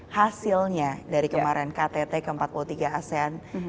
hasilnya dari kemarin ktt ke empat puluh tiga asean